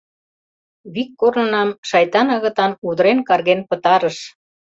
Вик корнынам шайтан агытан удырен-карген пытарыш».